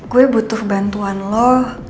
gue butuh bantuan lo